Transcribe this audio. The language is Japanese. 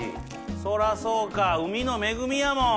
そらそうか海の恵みやもん！